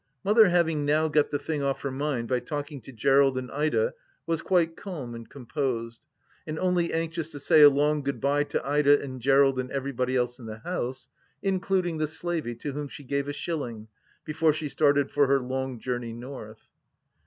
Mother having now got the thing off her mind by talking to (ierald and Ida, was quite calm and composed, and only anxious to say a long Good bye to Ida and Gerald and every body else in the house, including the slavey to whom she gave a shUling, before she started for her long journey North.